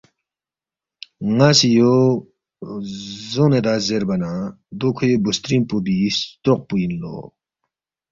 ن٘اسی یو ژون٘یدا زیربا نہ دو کھوے بُوسترِنگ پو بی ستروق پو اِن لو